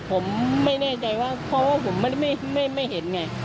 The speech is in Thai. ผมไม่แน่ใจว่าเพราะว่าผมไม่เห็นไง